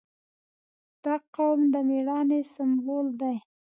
• دا قوم د مېړانې سمبول دی.